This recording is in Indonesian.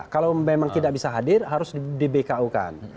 kalau memang tidak bisa hadir harus di bku kan